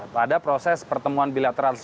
pada proses pertemuan bilateral